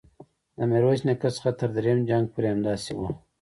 د میرویس نیکه څخه تر دریم جنګ پورې همداسې وه.